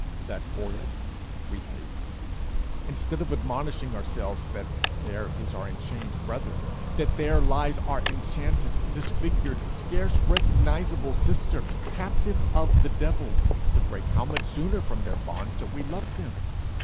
That foiled, we hate. Instead of admonishing ourselves that there is our enchained brother, that there lies our enchanted, disfigured, scarce recognizable sister, captive of the devil, to break, how much sooner, from their bonds, that we love them!